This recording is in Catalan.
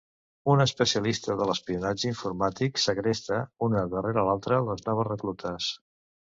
Un especialista de l'espionatge informàtic segresta, una darrera l'altra, les noves reclutes.